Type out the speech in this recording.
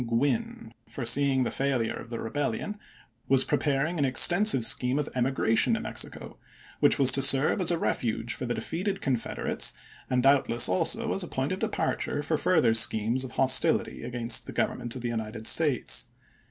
Gwin, foreseeing the failure of the rebellion, was preparing an extensive scheme of emigration to Mexico, which was to serve as a refuge for the defeated Confederates and doubtless also as a point of departure for future schemes of hostility against the Government of the United States.